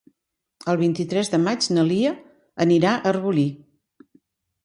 El vint-i-tres de maig na Lia anirà a Arbolí.